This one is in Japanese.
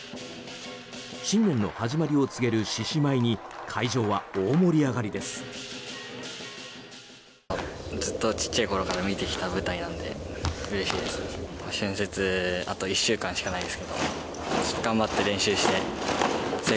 新年の始まりを告げる獅子舞に会場は大盛り上がりです。